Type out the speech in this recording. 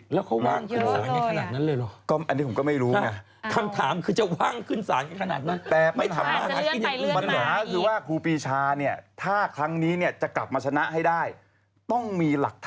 แล้วตอนนี้ธนายภูปีชายังอยู่ไหม